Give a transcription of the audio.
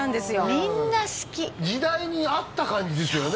みんな好き時代に合った感じですよね